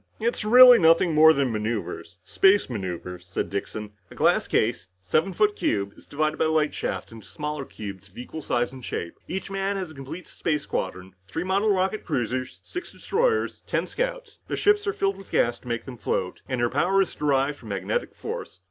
"It's really nothing more than maneuvers. Space maneuvers," said Dixon. "A glass case, a seven foot cube, is divided by light shafts into smaller cubes of equal shape and size. Each man has a complete space squadron. Three model rocket cruisers, six destroyers and ten scouts. The ships are filled with gas to make them float, and your power is derived from magnetic force.